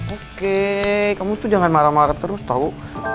oke kamu tuh jangan marah marah terus tau